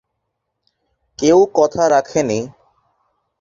এ সময়ে তিনি প্রতিশ্রুতিশীল কাউন্টি ক্রিকেটার হিসেবে আবির্ভূত হন।